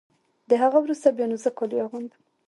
له هغه وروسته بیا نو زه کالي اغوندم.